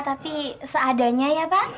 tapi seadanya ya pak